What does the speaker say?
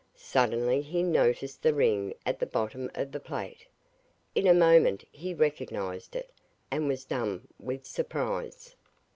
Suddenly he noticed the ring at the bottom of the plate. In a moment he recognised it, and was dumb with surprise.